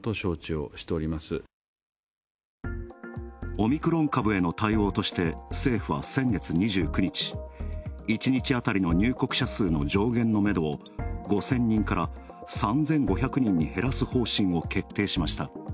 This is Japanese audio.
オミクロン株の対応として政府は先月２９日１日当たりの入国者数の上限のめどを５０００人から３５００人に減らす方針を決定しました。